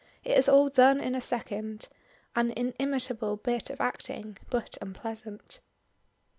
It is all done in a second. An inimitable bit of acting but unpleasant.